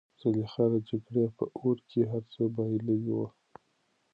زلیخا د جګړې په اور کې هر څه بایللي وو.